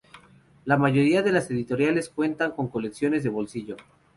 La mayoría de las editoriales cuentan con colecciones de bolsillo.